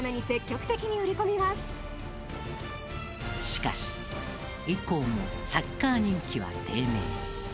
しかし、以降もサッカー人気は低迷。